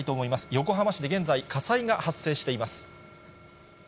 横浜市で現在、火災が発生しています。